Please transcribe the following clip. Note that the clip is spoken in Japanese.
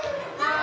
あ！